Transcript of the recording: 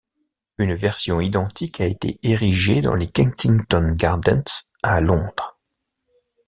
Une version identique a été érigée dans les Kensington Gardens à Londres.